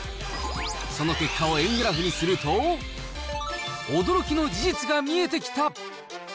その結果を円グラフにすると、驚きの事実が見えてきた。